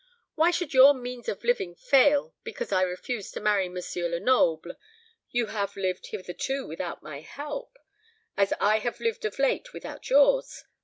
Why should your means of living fail because I refuse to marry M. Lenoble? You have lived hitherto without my help, as I have lived of late without yours.